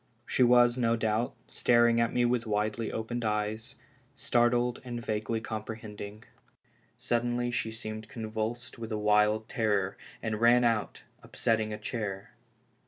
She was, no doubt, staring at me with widely opened eyes, startled and vaguely comprehending. Suddenly she seemed convulsed with a wild terror, and ran out, upsetting a chair.